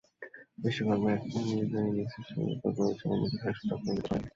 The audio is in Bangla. বেশির ভাগ ব্যাটসম্যানই নিজেদের ইনিংসের শুরুটা করেছিলেন কিন্তু শেষটা করে যেতে পারেননি।